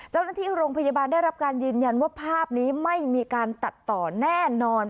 เจ้าหน้าที่โรงพยาบาลได้รับการยืนยันว่าภาพนี้ไม่มีการตัดต่อแน่นอน